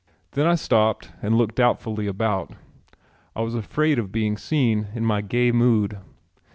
Then I stopped and looked doubtfully about. I was afraid of being seen in my gay mood.